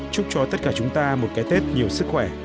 chúc cho tất cả chúng ta một cái tết nhiều sức khỏe